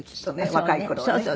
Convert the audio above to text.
若い頃はね。